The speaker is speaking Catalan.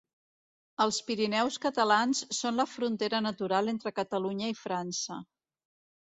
Els Pirineus Catalans són la frontera natural entre Catalunya i França.